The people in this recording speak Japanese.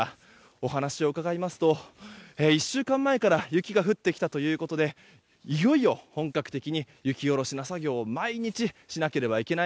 お話を伺いますと１週間前から雪が降ってきたということでいよいよ本格的に雪下ろしの作業を毎日しなければいけない